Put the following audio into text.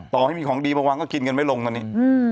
ต่อให้มีของดีมาวางก็กินกันไม่ลงตอนนี้